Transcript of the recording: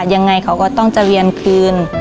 ยังไงเขาก็ต้องจะเรียนคืน